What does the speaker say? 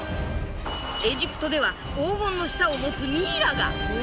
エジプトでは黄金の舌を持つミイラが。